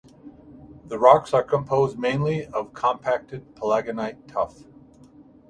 The rocks are composed mainly of compacted palagonite tuff.